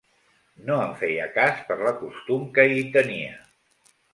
No en feia cas per la costum que hi tenia.